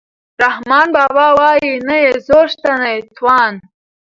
رحمان بابا وايي نه یې زور شته نه یې توان.